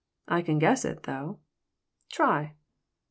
"I can guess it, though." "Try."